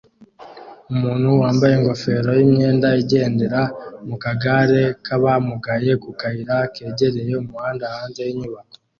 umuntu wambaye ingofero yimyenda igendera mu kagare k'abamugaye ku kayira kegereye umuhanda hanze y'inyubako